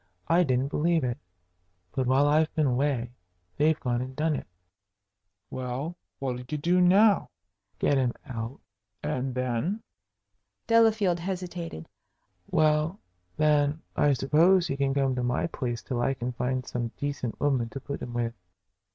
I didn't believe it. But while I've been away they've gone and done it." "Well, what'll you do now?" "Get him out." "And then?" Delafield hesitated. "Well, then, I suppose, he can come to my place till I can find some decent woman to put him with."